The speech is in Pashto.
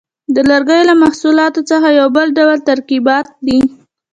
د لرګیو له محصولاتو څخه یو بل ډول ترکیبات دي.